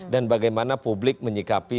dan bagaimana publik menyikapi